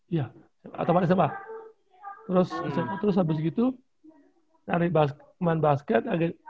iya tamat sma terus sma terus habis itu main basket